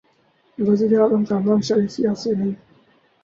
وزیر اعظم خاندان شریفیہ سے نہیں۔